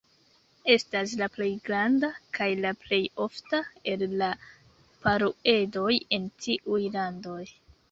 Estas la plej granda kaj la plej ofta el la paruedoj en tiuj landoj.